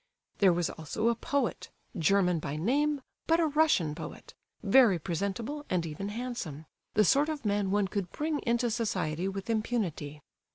There was also a poet, German by name, but a Russian poet; very presentable, and even handsome—the sort of man one could bring into society with impunity.